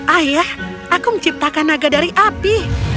ayah aku menciptakan naga dari api